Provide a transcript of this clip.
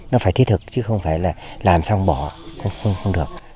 nó phải thiết thực chứ không phải là làm xong bỏ cũng không được